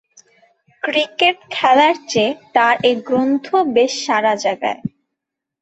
Cricket খেলার চেয়ে তার এ গ্রন্থ বেশ সাড়া জাগায়।